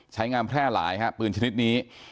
ใช้งานแพร่หลายฮะปืนชนิดนี้